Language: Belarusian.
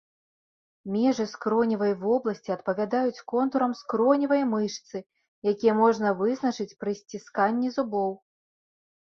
Межы скроневай вобласці адпавядаюць контурам скроневай мышцы, якія можна вызначыць пры сцісканні зубоў.